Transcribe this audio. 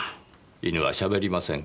犬はしゃべりませんからねぇ。